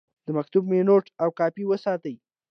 د مکتوب مینوټ او کاپي وساتئ.